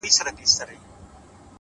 له لوري د بیټرۍ د تولید